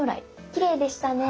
きれいでしたね。